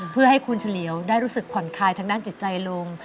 เพื่อให้คุณเฉลียวได้รู้สึกผ่อนคลายทางด้านจิตใจลง